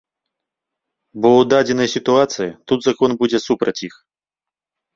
Бо ў дадзенай сітуацыі тут закон будзе супраць іх.